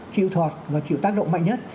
chịu thoạt và chịu tác động mạnh nhất